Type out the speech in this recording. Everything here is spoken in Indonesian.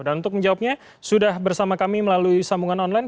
dan untuk menjawabnya sudah bersama kami melalui sambungan online